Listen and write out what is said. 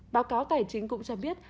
báo cáo tài chính cũng cho biết